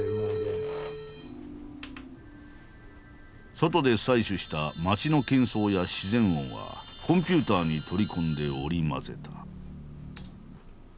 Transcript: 外で採取した街の喧騒や自然音はコンピューターに取り込んで織り交ぜた。